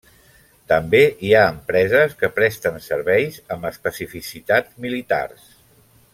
També hi ha empreses que presten serveis amb especificitats militars.